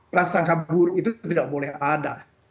prasangka buruk itu tidak boleh ada